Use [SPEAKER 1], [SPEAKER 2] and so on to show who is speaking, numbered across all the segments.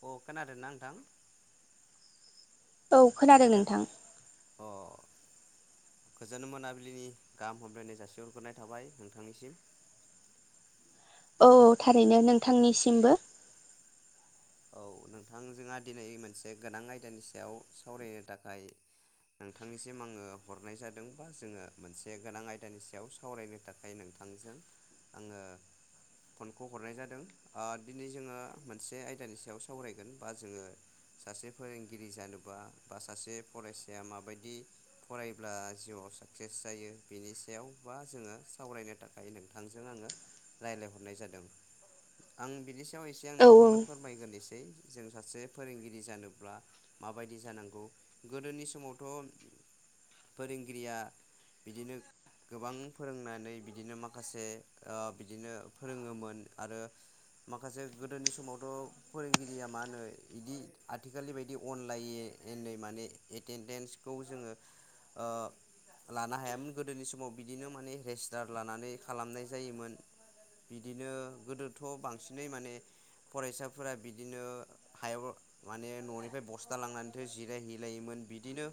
[SPEAKER 1] [unintelligible] आरो ना नोंथां
[SPEAKER 2] औ खोनादों नोंथां
[SPEAKER 1] अ [inaudible] गोजोन मोनाबिलिनि गाहाम हामलायनाय जासिहरग्रोनाय थाबाय नोंथांनिसिम [inaudible]
[SPEAKER 2] औ थारैनो नोंथांनिसिमबो
[SPEAKER 1] औ नोंथांजोंहा दिनै मोनसे गोनां आयदानि सायाव सावरायनो थाखाय नोंथांनिसिम आङो हरनाय जादों बा जोङो मोनसे गोनां आयदानि सायाव सावरायनो थाखाय नों थांजों आङो फनखौ हरनाय जादों ओ दिनै जोङो मोनसे आय दानि सायाव सावरायगोन बा जोङो सासे फोरोंगिरि जानोबा बा सासे फरायसाया मा बायदि फरायब्ला जिउआव साक्सेस जायो बेनि सायाव बा जोङो सावरायनो थाखाय नोंथां जों आङो रायलाहरनाय जादों आं बिनि सायाव एसे आं
[SPEAKER 2] औ
[SPEAKER 1] नोंथांनो नोसै जों सासे फोरोंगिरि जानोब्ला माबायदि जानांगौ गोदोनि समावथ' फोरोंगिरिया बिदिनो गोबां फोरोंनानै बिदिनो माखासे ओ बिदिनो फोरोङोमोन आरो माखासे गोदोनि समावथ' फोरोंगिरिया मा होनो इदि आथिखालनि बायदि अनलाइननै माने एटेडेन्सखौ जोङो ओ लानो हायामोन गोदोनि समाव बिदिनो माने रेजिस्टार लानानै खालामनाय जायोमोन बिदिनो गोदोथ' बांसिनै माने फरायसाफोरा बिदिनो हायाव माने न'निफ्राय बस्था लांनानैथो जिरायहैलायोमोन बिदिनो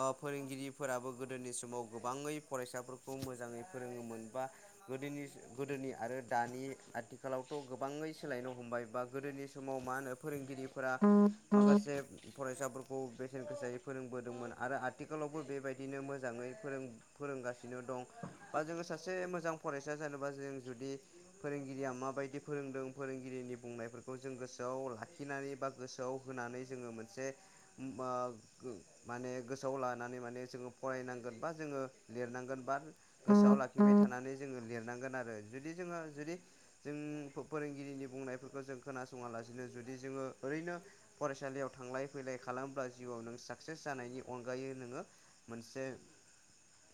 [SPEAKER 1] ओ फोरोंगिरिफोराबो गोदोनि समाव गोबाङै फरायसाफोरखौ मोजाङै फोरों मोनबा गोदोनि गोदोनि आरो दानि आथिखालावथ' गोबाङै सोलायनो हमबाय बा गोदोनि समाव मा होनो फोरोंगिरिफोरा माखासे फरायसाफोरखौ बेसेन गोसायै फो फोरोंबोदोंमोन आरो आथिखालावबो बेबायदिनो मोजाङै फोरों फोरोंगासिनो दं बा जोङो सासे मोजां फरायसा जानोबा जों जुदि फोरोंगिरिया माबायदि फोरोंदों फोरोंगिरिनि बुंनायफोरखौ जों गोसोआव लाखिनानै बा गोसोआव होनानै जोङो मोनसे आ माने गोसोआव लानानै माने जोङो फरायनांगोन बा जोङो लिरनांगोन बा गोसोआव ला आखिबाय थानानै जोङो लिरनांगोन आरो जुदि जोङो जुदि जों फोरोंगिरिनि बुंनायफोरखौ जों खोनासङालासिनो जुदि जोङो ओरैनो फरायसालियाव थांलाय फैलाय खालामोब्ला जिउआव नों साक्सेस जानायनि अनगायै नोङो मोनसे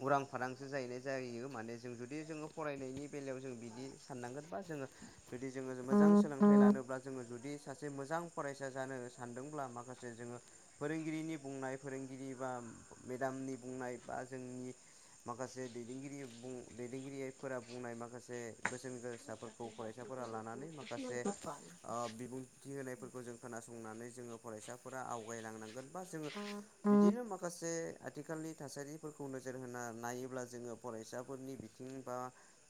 [SPEAKER 1] उरां फारांसो जाहैनाय जायो माने जों जुदि जोङो फरायनायनि बेलायाव जों बिदि साननांगोनबा जोङो जुदि जोङो मोजां सोलों थाइ लानोब्ला जोङो जुदि सासे मोजां फरायसा जानो सानदोंब्ला माखासे जोङो फोरोंगिरिनि बुंनाय फोरोंगिरि बा मेदामनि बुंनाय बा जोंनि माखासे दैदेनगिरि दैदेनगिरिफोरा बुंनाय माखासे बोसोन गोसाफोरखौ फरायसाफोरा लानानै माखासे ओ बिबुंथि होनायफोरखौ जों खोनासं नानै जोङो फरायसा फोरा आवगायलांनांगोन बा जोङो बिदिनो माखसे आथिखालनि थासारि फोरखौ नोजोर होना नायोब्ला जोङो फरायसाफोरनि बिथिं बा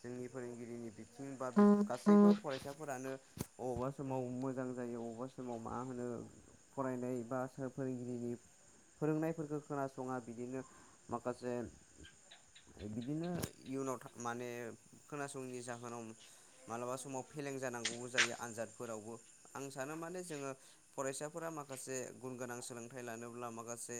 [SPEAKER 1] जोंनि फोरोंगिरिनि बि थिंबा गासैबो फरायसाफोरानो अबावबा समाव मोजां जायो अबावबा समाव मा होनो फरायनाय बा सोर फोरोंगिरिनि फोरोंनायफोरखौ खोनासङा बिदिनो माखासे बिदिनो इयुनाव माने खोनासंयिनि जाहोनाव मालाबा समाव फेल लें जानांगौबो जायो। आनजादफोरावबो आं सानो माने जोङो फरायसाफोरा माखासे गुन गोनां सोलोंथाइ लानो ब्ला माखासे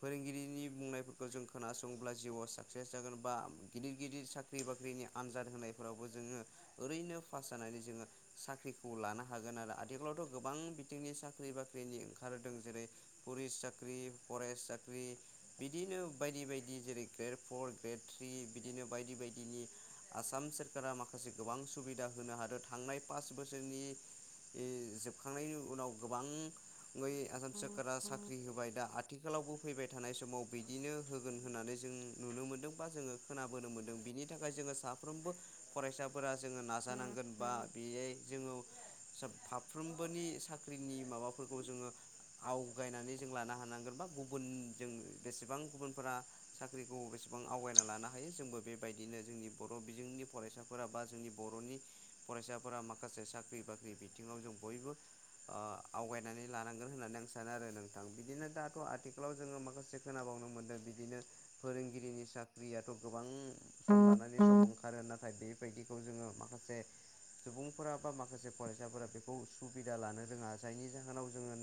[SPEAKER 1] फोरोंगिरिनि बुंनायफोरखौ जों खोनासङोब्ला जिउआव साक्सेस जागोन बा गिदिर गिदिर साख्रि बाख्रिनि आनजाद होनायफोरावबो जोङो ओरैनो पास जानानै जोङो साख्रि खौ लानो हागोन आरो आथिखालावथ' गोबां बिथिंनि साख्रि बाख्रिनि ओंखारदों जेरै- पुलिस सा ख्रि फरेस साख्रि बिदिनो बायदि बायदि जेरै- ग्रेड फर्ड ग्रेड थ्रि बिदिनो बायदि बायदिनि आसाम सोरखारा माखासे गोबां सुबिदा होनो हादों थांनाय पास बो सोरनि यि जोबखांनायनि उनाव गोबांयै आसाम सोरखारा साख्रि होबाय दा आथिखालाव फैबाय थानाय समाव बिदिनो होगोन होननानै जों नुनो मोनदों बा जोङो खोनाबोनो मोनदों बिनि था खाय जोङो साफ्रोमबो फरायसाफोरा जोङो नाजानांगोन बा बेयै जोङो सा फारफ्रोमबोनि साख्रिनि माबाफोरखौ जोङो आवगायनानै जा लानो हानांगोन बा गुबुन जों बेसेबां गुबुनफोरा साख्रिखौ बेसेबां आवगायना लानो हायो जोंबो बेबायदिनो जोंनि बर' बिजोंनि फरायसाफोरा बा जोंनि बर'नि फरायसाफोरा मा खासे साख्रि बाख्रि बिथिङाव जों बयबो ओ आवगायनानै लानांगोन होननानै आं सानो आरो नोंथां बिदिनो दाथ' आथिखालाव जोङो माखासे खोनाबावनो मोन्दों बिदिनो फोरोंगिरिनि साख्रियाथ' गोबां सम लानानै सम ओंखारो नाथाय बेबायदिखौ जोङो माखासे सुबुं फोरा बा माखासे फरायसाफोरा बेखौ सुबिदा लानो रोङा जायनि जाहोनाव जोङो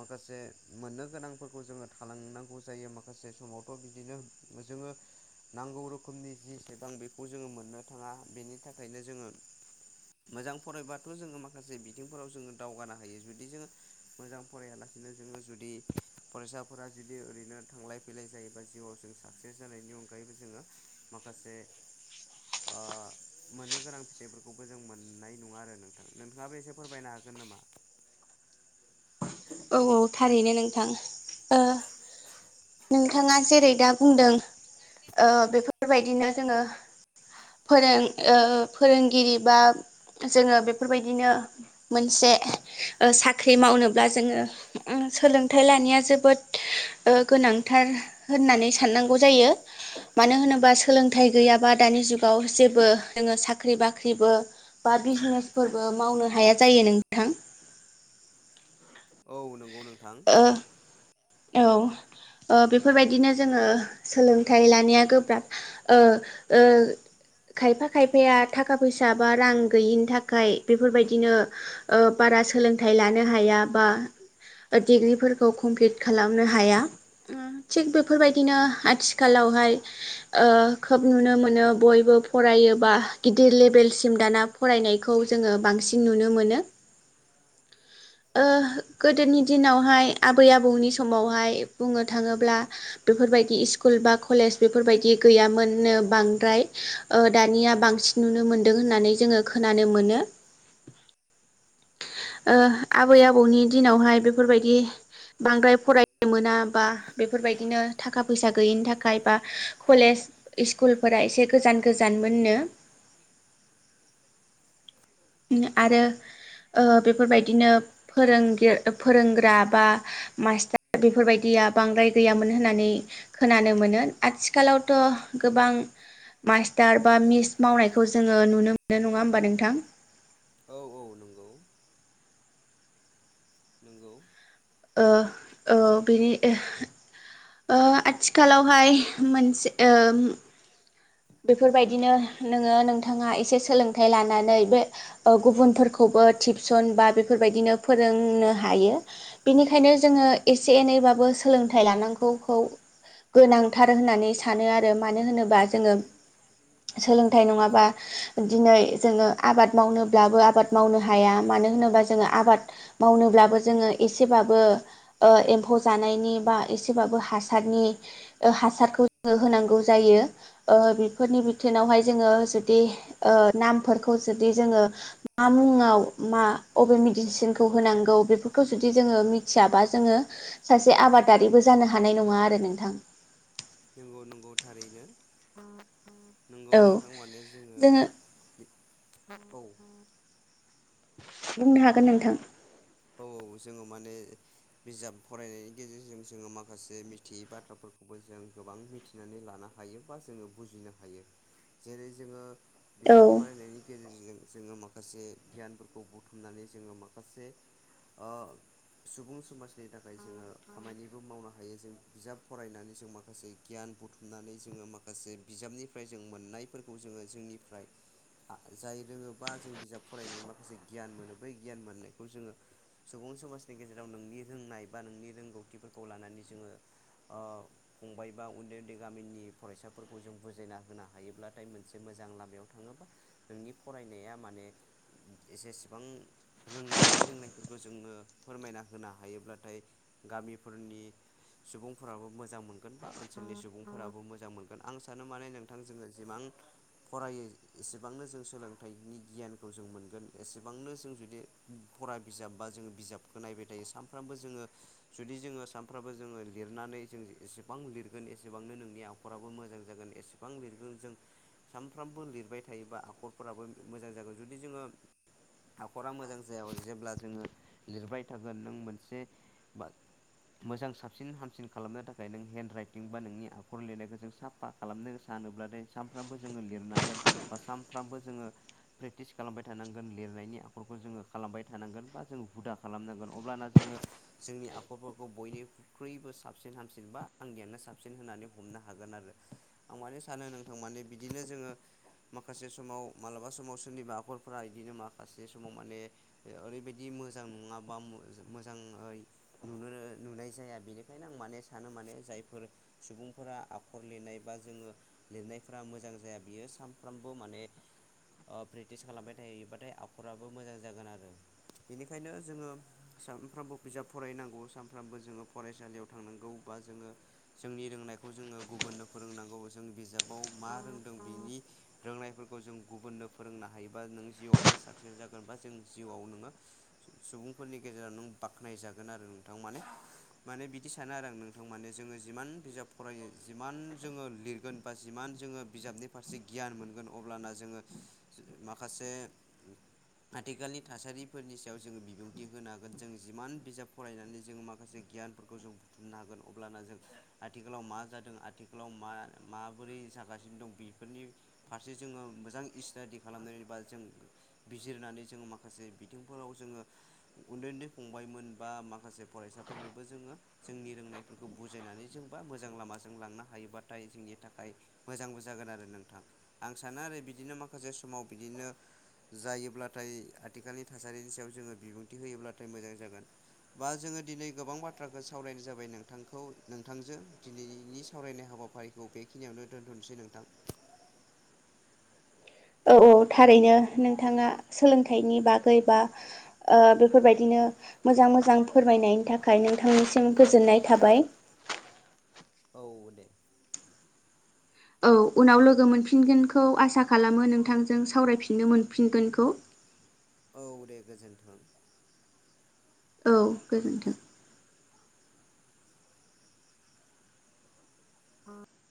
[SPEAKER 1] माखासे मोननो गोनांफोरखौ जोङो थालांनांगौ जायो माखासे समावथ' बिदिनो जोङो नांगौ रोखोमनि जिसेबां बेखौ जोङो मोननो थाङा बेनि थाखायनो जोङो मोजां फरायबाथ' जोङो माखासे बिथिंफोराव जोङो दावगानो हायो जुदि जोङो मोजां फरायलासिनो जोङो जुदि फरायसाफोरा जुदि ओरैनो थांलाय फैलाय जायोबा जिउआव जों साक्सेस जानायनि अ गायैबो जोङो माखासे ओ मोननो गोनां फिथाइफोरखौ जों मोननाय नङा आरो नोंथां नोंथाङाबो एसे फोरमायनो हागोन नामा?
[SPEAKER 2] औ औ थारैनो नोंथां। ओ नोंथाङा जेरै दा बुंदों ओ बेफोरबायदिनो जोङो फोरों ओ फोरोंगिरि बा जोङो बेफोरबायदिनो मोनसे साख्रि ओ मावनोब्ला जोङो ओम सोलोंथाइ लानाया जोबोद ओ गोनांथार होननानै साननांगौ जायो मानो होनोबा सोलोंथाइ गैयाबा दानि जुगाव आव जेबो नोङो साख्रि बाख्रिबो बा बिजिनेसफोरबो मावनो हाया जायो नोंथां।
[SPEAKER 1] औ नंगौ नोंथां
[SPEAKER 2] ओ औ ओ बेफोरबायदिनो जोङो सोलोंथाइ लानाया गोब्राब ओ ओ खायफा खायफाया थाखा फैसा बा रां गैयिनि थाखाय बेफोरबायदिनो ओ बा बा सोलोंथाइ लानो हाया बा डिग्रिफोरखौ कमप्लिट खालामनो हाया थिग बेफोरबायदिनो आथिखालावहाय ओ खोब नुनो मोनो बयबो फरायो बा गिदिर लेभेलसिम दाना फराय नायखौ जोङो बांसिन नुनो मोनो।
[SPEAKER 1] [inaudible]
[SPEAKER 2] ओ गोदोनि दिनावहाय आबै आबौनि समावहाय बुंनो थाङोब्ला बेफोरबायदि इस्कुल बा कले बेफोरबायदि गैयामोननो बांद्राय ओ दानिया बांसिन नुनो मोन्दों होननानै जोङो खोनानो मोनो ओ आबै आबौनि दिनावहाय बेफोरबायदि बांद्राय फरायनो मोना बा बेफोरबायदिनो थाखा फैसा गैयिनि थाखाय बा कलेज इस्कुलफोरा एसे गोजान गोजान मोन नो
[SPEAKER 1] [inaudible]
[SPEAKER 2] आरो बेफोरबायदिनो फोरों फोरोंग्रा बा मास्टार बेफोरबायदि दिया बांद्राय गैयामोन होननानै खोनानो मोनो आथिखालावथ' गोबां मास्टार बा मिस मावनायखौ जोङो नुनो मोनो नङा होमबा नोंथां?
[SPEAKER 1] औ औ नं नोंगौ।
[SPEAKER 2] ओ ओ बिनि ओ आथिखालावहाय मोनसे ओ बेफोरबायदिनो नोङो नोंथाङा एसे सोलोंथाइ लानानै बे गुबुनफोरखौबो टिप्स टिउसन बा बेफोरबायदिनो फोरोंनो हायो बेनिखायनो जोङो एसे एनैबाबो सोलों सोलोंथाइ लानांगौखौ गोनांथार होननानै सानो आरो मानो होनोबा जोङो सोलोंथाइ नङाबा दिनै जोङो आबाद मावनोब्लाबो आबाद मावनो हाया मानो जों आबाद मावनो ब्लाबो जोंओ एसेबाबो एम्फौ जानायनि बा एसेबा हासारनि हासारखौ जो होनांगौ जायो। फोरनि बिथोनावहाय जोङो जुदि नामफोरखौ जुदि जोङो मा मुङाव मा अबे मेडिसिनखौ होनांगौ बेफोरखौ जुदि जोङो मिथियाबा जोङो सासे आबाद आबादारिबो जानो हानाय नङा आरो नोंथां।
[SPEAKER 1] नंगौ नंगौ थारैनो। नोंगौ
[SPEAKER 2] औ
[SPEAKER 1] नोंथां माने जोङो औ
[SPEAKER 2] बुंनो हागोन नोंथां।
[SPEAKER 1] औ औ जोङो माने बिजाब फरायनायनि गेजेरजों जोङो माखासे मिथियै बाथ्राफोरखौ बो जों गोबां मिथिनानै लानो हायो बा जोङो बुजिनो हायो जेरै जोङो बिजाब
[SPEAKER 2] औ
[SPEAKER 1] फरायनायनि गेजेरजों जोङो माखासे गियानफोरखौ बुथुमनानै जोङो माखासे ओ सुबुं समाजनि थाखाय जोङो खामानिबो मावनो हायो जों बिजाब फरायनानै जों माखासे गियान बुथुमनानै जोङो माखासे बिजाबनिफ्राय जों मोननायफोरखौ जोङो जोंनिफ्राय जाय रोङोबा जों बिजाब फरायनानै माखासे गियान मोनो बै गियान मोननायखौ जोङो सुबुं समाजनि गेजेराव नोंनि रोंनाय बा नोंनि रोंगौथिफोरखौ लानानै जोङो ओ फंबाय बा उन्दै उन्दै गामिनि फरायसाफोरखौ जों बुजायना होनो हायोब्लाथाय मोनसे मोजां लामायाव थाङोबा नोंनि फरायनाया माने जसेसेबां रोंनाय बै रोंनाय फोरखौ जोङो फोरमायना होनो हायोब्लाथाय गामिफोरनि सुबुंफोराबो मोजां मोनगोन बा ओनसोलनि सुबुंफोराबो मोजां मोनगोन आं सानो माने नोंथां जोङो जिमां फरायो एसेबांनो जों सोलोंथाइनि गियानखौ जों मोनगोन एसेबांनो जों जुदि फरा बिजाब बा जो बिजाबखौ नायबाय थायो सानफ्रामबो जोङो जुदि जोङो सानफ्रामबो जोङो लिरनानै जों एसेबां लिरगोन एसेबांनो नोंनि आखराबो मोजां जागोन एसेबां लिरगोन जों सानफ्रोमबो लिरबाय थायोबा आखरफोराबो मोजां जागोन जुदि जोङो आखरा मोजां जाया जेब्ला जोङो लिरबाय थागोन नों मोनसे बा मोजां साबसिन हामसिन खालामनो थाखाय नों हेन्द राइटिं बा नोंनि आखर लिरनायखौ जों साफा खालामनो सानोब्ला दे सामफ्रामबो जोंओ लिरनांगोन बा सामफ्रामबो जोेंओ फ्रेकटिस खालामबाय थानांगोन लिर नायनि आखरखौ जोङो खालामबाय थानांगोन। बा जों हुदा खालामनांगोन अब्लाना जोङो जोंनि आखरफोरखौ बयनिख्रुइबो साबसिन हामसिन बा आंनियानो साबसिन होननानै हमनो हागोन आरो आं माने सानो नोंथां माने बिदिनो जोङो माखासे समाव मालाबा समाव सोरनिबा आखरफोरा बिदिनो माखासे समाव माने ओरैबायदि बिदि मोजां नङा बा मोजाङै नुनो नुनाय जाया बेनिखायनो आं माने सानो मा माने जायफोर सुबुंफोरा आखर लिरनाय बा जोङो लिरनायफोरा मोजां जाया बियो साम फ्रामबो माने प्रेक्टिस खालामबाय थायोबाथाय आखराबो मोजां जागोन आरो बेनिखायनो जोङो सानफ्रोमबो बिजाब फरायनांगौ सानफ्रामबो जोङो फरायसालियाव थांनांगौ बा जोङो जोंनि रोंनायखौ जोङो गुबुननो फोरोंनांगौ जों बिजाबाव मा रोंदों बिनि रोंनायफोरखौ जों गुबुननो फोरोंनो हायोबा नों जिउआवबो साक्सेस जागोन। बा जों जिउआव नोङो [inaudible] सुबुंफोरनि गेजेराव नों बाखनायजागोन आरो नोंथां। माने माने बिदि सानो आरो आं नोंथां माने जोङो। जिमान बिजाब फरायो जिमान जोङो लिरगोन बा जिमान जोङो बिजाबनि फारसे गियान मोनगोन अ अब्लाना जोङो ओ माखासे आथिखालनि थासारि फोरनि सायाव जोङो बिबुंथि होनो हागोन। जों जिमान बिजाब फरायनानै जोङो माखासे गियानफोरखौ जों बुथुमनो हागो ओ अब्लाना जों आथिखालाव मा जादों? आथिखालाव मा माबोरै जागासिनो दं? बेफोरनि फारसे जोङो मोजां इसटाडि खालामनानै बा जों बिजिरनानै जोङो माखासे बिथिंफोराव जोङो उन्दै उन्दै फंबायमोन बा माखासे फरायसाफोरनोबो जोङो जोंनि रों नायफोरखौ बुजायनानै जोंबा मोजां लामाजों लांनो हायोबाथाय जोंनि थाखाय मोजांबो जागोन आरो नों थां। आं सानो आरो बिदिनो माखासे समाव बिदिनो जायोब्लाथाय आथिखालनि थासारिनि सायाव जोङो बिबुंथि होयोब्लाथाय मोजां जागोन। बा जोङो दिनै गोबां बाथ्राखौ सावरायनाय जाबाय। नोंथांखौ नोंथांजो दिनैनि सावरायनाय हाबाफारिखौ बेखिनियावनो दोन्थ'नोसै नोंथां। [inaudible]
[SPEAKER 2] औ औ थारैनो नोंथाङा सोलोंथाइनि बागै बा ओ बेफोरबायदिनो ओ मोजां मोजां फोरमायनायनि थाखाय नोंथांनिसिम गोजोननाय थाबाय।
[SPEAKER 1] औ दे।
[SPEAKER 2] औ उनाव लोगो मोनफिनगोनखौ आसा खालामो नोंथांजों सावरायफिननो मोनफिनगोनखौ।
[SPEAKER 1] औ दे गोजोन्थों।
[SPEAKER 2] औ गोजोनथों।